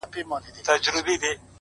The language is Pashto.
د غم شپيلۍ راپسي مه ږغـوه-